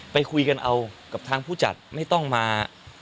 ไปคุยกันเอากับทางผู้จัดไม่ต้องมา